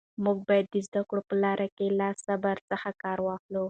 موږ باید د زده کړې په لاره کې له صبر څخه کار واخلو.